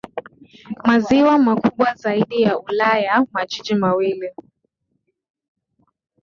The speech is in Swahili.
maziwa makubwa zaidi ya Ulaya Majiji mawili